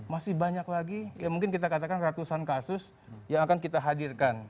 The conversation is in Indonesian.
masih banyak lagi mungkin kita katakan ratusan kasus yang akan kita hadirkan